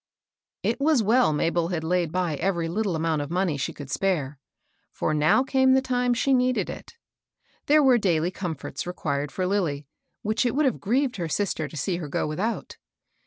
T was well Mabel had laid by every lit tle amount of money she could spare ; for now came the time she needed it. There were daily comforts required for Lilly, which it would have grieved her sister to see her go without.